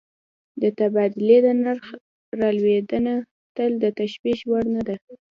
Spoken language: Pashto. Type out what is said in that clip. د تبادلې د نرخ رالوېدنه تل د تشویش وړ نه ده.